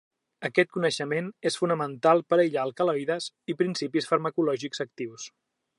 Aquest coneixement és fonamental per aïllar alcaloides i principis farmacològics actius.